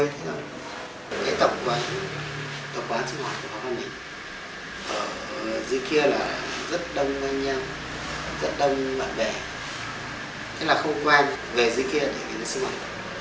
thế là không quen về dưới kia là để đến sinh hoạt